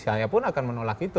saya pun akan menolak itu